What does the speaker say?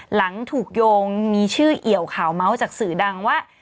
หลังถูกโยงมีชื่อเอี่ยวข่าวเมาส์จากสื่อดังว่า